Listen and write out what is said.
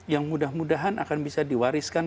yang mudah mudahan akan bisa diwariskan